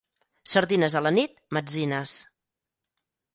Sardines a la nit, metzines.